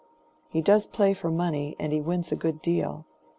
He does play for money, and he wins a good deal.